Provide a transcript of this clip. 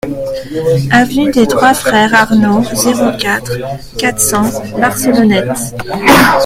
Avenue des Trois Frères Arnaud, zéro quatre, quatre cents Barcelonnette